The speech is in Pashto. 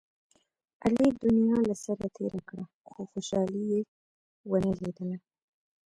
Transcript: علي دنیا له سره تېره کړه، خو خوشحالي یې و نه لیدله.